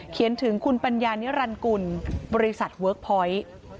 เขียนถึงคุณปัญญานิรันดิกุลบริษัทเวิร์คพอยต์